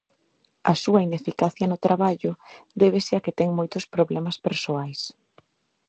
A súa ineficacia no traballo débese a que ten moitos problemas persoais.